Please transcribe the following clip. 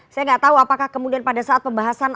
saya nggak tahu apakah kemudian pada saat pembahasan